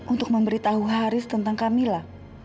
untuk memberitahu haris tentang camilla